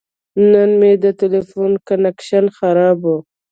نن مې د تلیفون کنکشن خراب و.